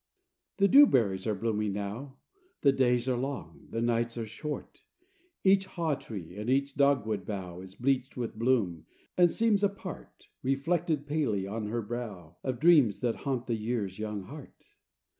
VII The dewberries are blooming now; The days are long, the nights are short; Each haw tree and each dogwood bough Is bleached with bloom, and seems a part, Reflected palely on her brow, Of dreams that haunt the Year's young heart.